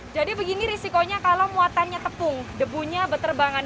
jadi begini risikonya kalau muatannya tepung debunya beterbangan